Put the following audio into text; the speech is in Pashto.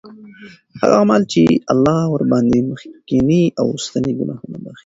هغه أعمال چې الله ورباندي مخکيني او وروستنی ګناهونه بخښي